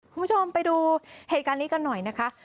คุณผู้ชมไปดูเหตุการณ์นี้กันหน่อยนะคะ